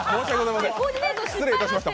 失礼いたしました。